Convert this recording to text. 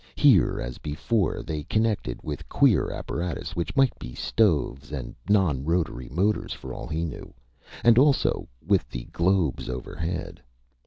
Here, as before, they connected with queer apparatus which might be stoves and non rotary motors, for all he knew. And also with the globes overhead.